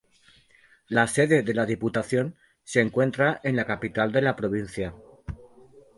La sede de la Diputación se encuentra en la capital de la provincia.